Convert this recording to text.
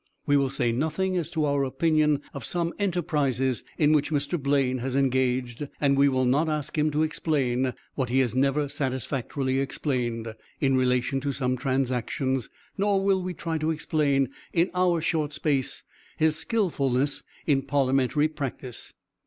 We will say nothing as to our opinion of some enterprises in which Mr. Blaine has engaged; and we will not ask him to explain, what he has never satisfactorily explained, in relation to some transactions, nor will we try to explain, in our short space, his skillfullness in parliamentary practice.